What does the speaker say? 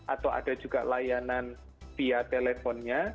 atau ada juga layanan via teleponnya